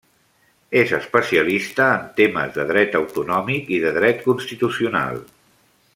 És especialista en temes de dret autonòmic i de dret constitucional.